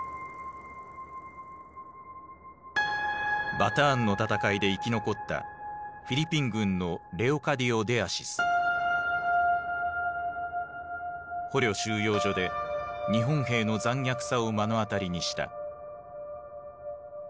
バターンの戦いで生き残った捕虜収容所で日本兵の残虐さを目の当たりにした。